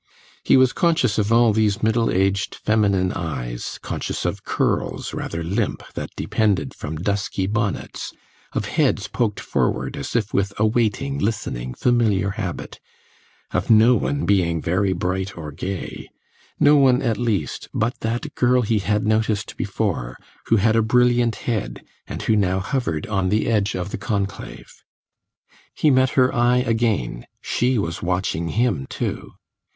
He was conscious of all these middle aged feminine eyes, conscious of curls, rather limp, that depended from dusky bonnets, of heads poked forward, as if with a waiting, listening, familiar habit, of no one being very bright or gay no one, at least, but that girl he had noticed before, who had a brilliant head, and who now hovered on the edge of the conclave. He met her eye again; she was watching him too.